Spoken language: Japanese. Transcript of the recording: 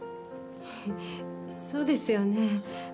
そうですよね。